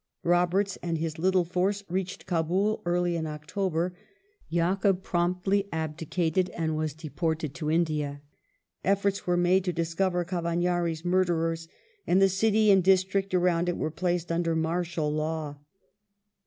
Roberts and his little force reached Kdbul early in October. Yakub promptly abdicated and was de ported to India. Efforts were made to discover Cavagnari's murderei s, and the city and district around it were placed under martial law.